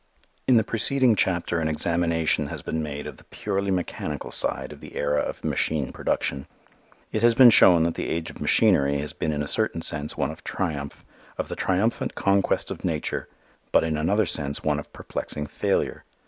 In the preceding chapter an examination has been made of the purely mechanical side of the era of machine production. It has been shown that the age of machinery has been in a certain sense one of triumph, of the triumphant conquest of nature, but in another sense one of perplexing failure.